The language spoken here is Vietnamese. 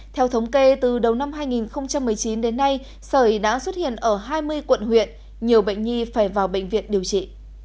theo thống kê từ đầu năm hai nghìn một mươi chín đến nay sởi đã xuất hiện ở hai mươi quận huyện nhiều bệnh nhi phải vào bệnh viện điều trị